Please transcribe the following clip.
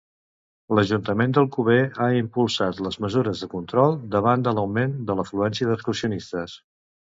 L'Ajuntament d'Alcover ha impulsat les mesures de control davant de l'augment de l'afluència d'excursionistes.